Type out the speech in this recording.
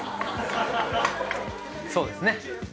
そうですね。